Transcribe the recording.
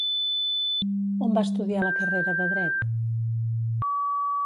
On va estudiar la carrera de Dret?